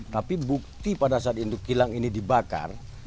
tapi bukti pada saat induk kilang ini dibakar